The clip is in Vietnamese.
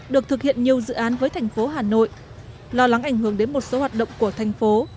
được thực hiện nhiều dự án với thành phố hà nội lo lắng ảnh hưởng đến một số hoạt động của thành phố